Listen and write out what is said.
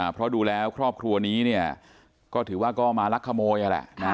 เพราะดูแลครอบครัวนี้ถือว่าก็มารักขโมยอ่ะแหละ